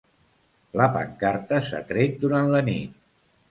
La pancarta s'ha tret durant la nit